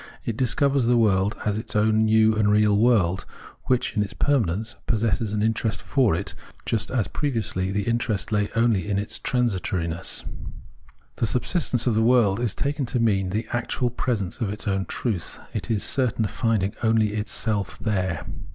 t discovers the world as its own new and real world, svhich in its permanence possesses an interest for it, just is previously the interest lay only in its transitoriness,,. 224 Phenomenology of Mind The subsistence of the world is taken to mean the actual presence of its own truth ; it is certain of finding only itself there....